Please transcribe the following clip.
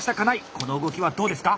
この動きはどうですか？